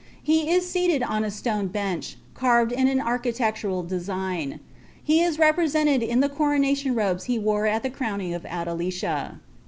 Ue is sealed on a stone bench, carved in an architectoral deaigt He is represented in the coronation robes he wore at the crowning df Adelicia.'